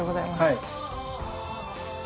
はい。